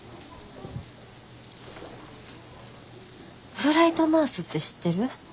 フライトナースって知ってる？